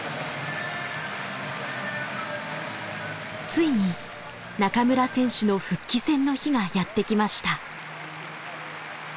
ついに中村選手の復帰戦の日がやって来ました。